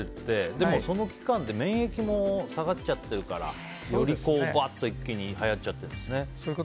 でも、その期間で免疫も下がっちゃっているからよりバーッと一気にはやっちゃってるんですね。